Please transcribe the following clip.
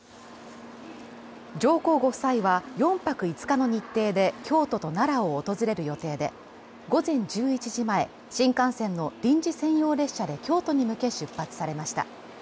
上皇ご夫妻は４泊５日の日程で京都と奈良を訪れる予定で、午前１１時前、新幹線の臨時専用列車で京都に向け出発されました。